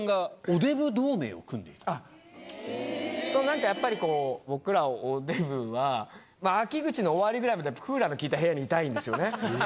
何かやっぱり僕らおデブは秋口の終わりぐらいまでクーラーの効いた部屋にいたいんですよね。